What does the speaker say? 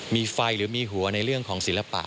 มีไฟหรือมีหัวในเรื่องของศิลปะ